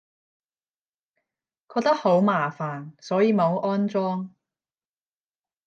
覺得好麻煩，所以冇安裝